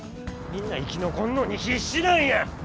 みんな生き残んのに必死なんや！